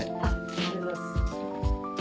ありがとうございます。